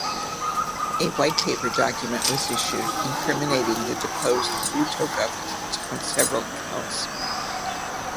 A white paper document was issued, incriminating the deposed Bhutto government on several counts.